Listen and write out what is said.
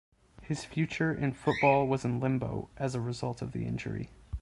His future in football was in limbo, as a result of the injury.